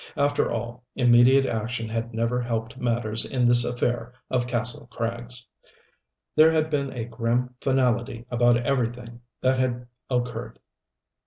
After all, immediate action had never helped matters in this affair of Kastle Krags. There had been a grim finality about everything that had occurred.